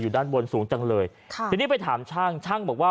ด้านบนสูงจังเลยค่ะทีนี้ไปถามช่างช่างบอกว่า